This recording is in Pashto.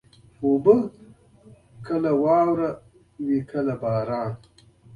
اوبه کله واوره وي، کله باران.